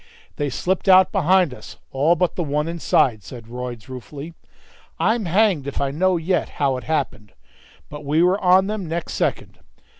"They slipped out behind us, all but the one inside," said Royds, ruefully; "I'm hanged if I know yet how it happened but we were on them next second.